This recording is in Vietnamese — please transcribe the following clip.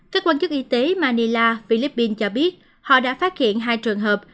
các quan chức y tế manila philippines cho biết họ đã phát hiện hai trường hợp